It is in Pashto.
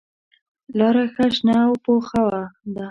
لاره ښه شنه او پوخه ده.